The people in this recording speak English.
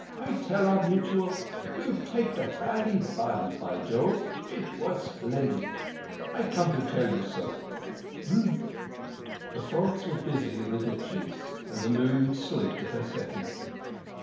I tell our mutual you take the bally bun, by Jove! It was splendid. I come to tell you so." "Umm!" The frogs were busy in the ditches, and the moon slid to her setting.